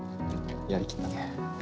やりきったね。